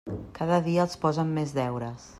Cada dia els posen més deures.